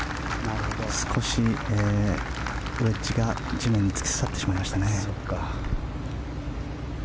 少しエッジが地面に突き刺さってしまいましたね。